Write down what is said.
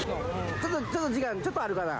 ちょっと時間ちょっとあるかな？